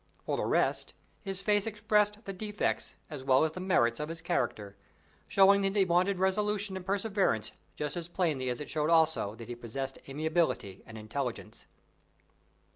For the rest, his face expressed the defects as well as the merits of his character, showing that he wanted resolution and perseverance just as plainly as it showed also that he possessed amiability and intelligence.